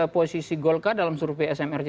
posisi golkar dalam survei smrc